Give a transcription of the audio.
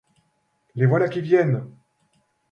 Les voilà qui viennent!